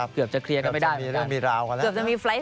เกือบจะเคลียร์กันไม่ได้เหรอครับก่อนเกือบจะมีเรื่องมีราวค่ะ